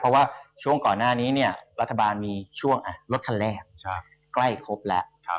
เพราะว่าช่วงก่อนหน้านี้เนี่ยรัฐบาลมีช่วงรถคันแรกใกล้ครบแล้ว